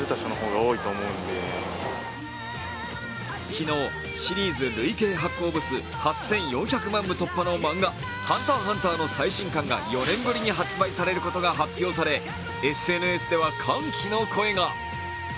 昨日、シリーズ累計発行部数８４００万部突破の漫画、「ＨＵＮＴＥＲ×ＨＵＮＴＥＲ」の最新刊が４年ぶりに発売されることが発表されＳＮＳでは歓喜の声が。